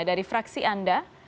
dari fraksi anda